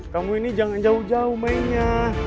kamu ini jangan jauh jauh mainnya